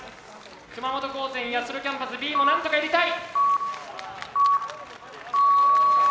熊本高専八代キャンパスＢもなんとか入れたい。